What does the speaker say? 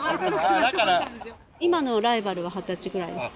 今のライバルは二十歳ぐらいです。